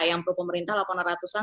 yang pro pemerintah laporan ratusan